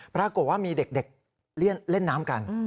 ปรากฏว่ามีเด็กเล่นน้ำกัน